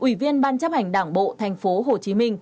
ủy viên ban chấp hành đảng bộ tp hcm